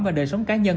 và đời sống cá nhân